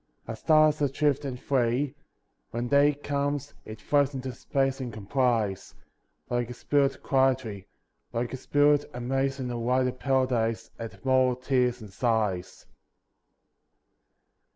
A star is adrift and free. When day comes, it floats into space and com plies ; Like a spirit quietly, Like a spirit, amazed in a wider paradise At mortal tears and sighs.